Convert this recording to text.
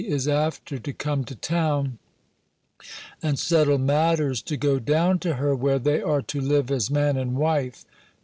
is after to come to town, and settel matters to go downe to hir, where they are to liue as man and wiffe.